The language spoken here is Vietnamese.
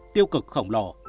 tiêu cực khổng lồ